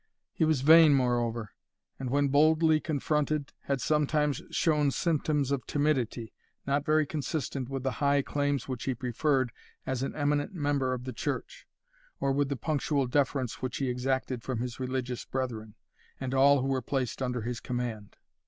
He was vain, moreover; and when boldly confronted, had sometimes shown symptoms of timidity, not very consistent with the high claims which he preferred as an eminent member of the church, or with the punctual deference which he exacted from his religious brethren, and all who were placed under his command.